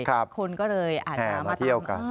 คนก็เลยอาจจะมาเที่ยวกัน